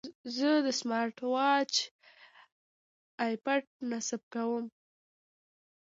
زه د سمارټ واچ اپډیټ نصب کوم.